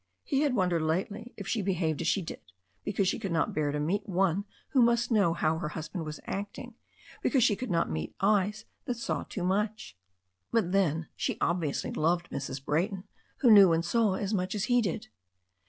He had wondered lately if she behaved as she did because she could not bear to meet one who must know how her husband was acting, because she could not meet eyes that saw too much. But then, she obviously loved Mrs. Brayton, who knew and saw as much as he did.